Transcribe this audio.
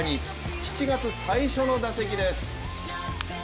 ７月最初の打席です。